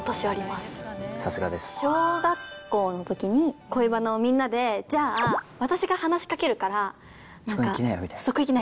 さすがです。小学校のときに、恋バナをみんなでじゃあ、私が話しかけるから、そこ行きなよみたいな。